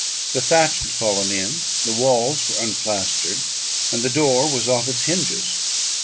The thatch had fallen in, the walls were unplastered, and the door was off its hinges.